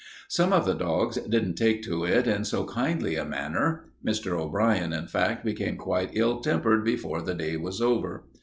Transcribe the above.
Some of the dogs didn't take to it in so kindly a manner. Mr. O'Brien, in fact, became quite ill tempered before the day was over.